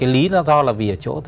lý do là vì